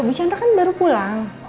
bu chandra kan baru pulang